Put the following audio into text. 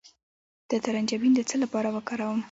د ترنجبین د څه لپاره وکاروم؟